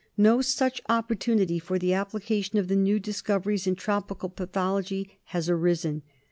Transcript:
No such opportunity for the application of the new discoveries in tropical pathology has arisen.